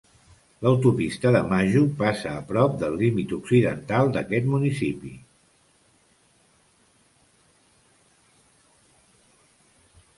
L'autopista de Maju passa a prop del límit occidental d'aquest municipi.